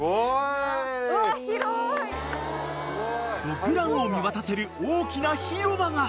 ［ドッグランを見渡せる大きな広場が］